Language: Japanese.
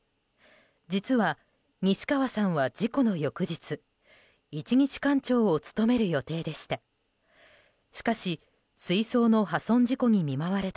実は西川さんは事故の翌日一日館長を務める予定でした。